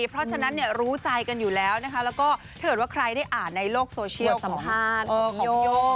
เพราะฉะนั้นรู้ใจกันอยู่แล้วนะคะแล้วก็ถ้าเกิดว่าใครได้อ่านในโลกโซเชียลสัมภาษณ์ของโย